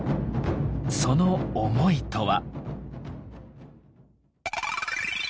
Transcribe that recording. その思いとは。